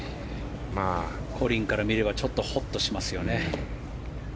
コリンから見ればちょっとホッとしますよね。